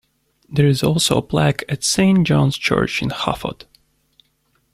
There is also a plaque at Saint John's Church in Hafod.